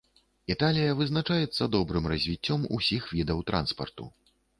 Італія вызначаецца добрым развіццём усіх відаў транспарту.